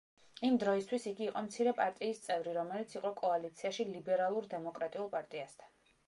იმ დროისთვის იგი იყო მცირე პარტიის წევრი, რომელიც იყო კოალიციაში ლიბერალურ-დემოკრატიულ პარტიასთან.